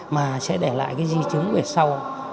mà sẽ để lại cái di chứng về sau